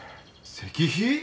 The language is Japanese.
石碑？